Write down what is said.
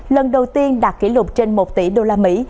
lần đầu tiên đạt kỷ lục trên một tỷ đô la mỹ